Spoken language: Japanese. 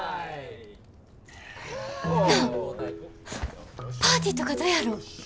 なあパーティーとかどやろ？